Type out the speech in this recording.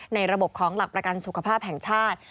ในระบบของหลักประกันสุขภาพแห่งชาติ